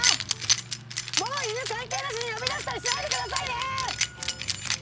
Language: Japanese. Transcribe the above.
もう犬関係なしに呼び出したりしないでくださいね！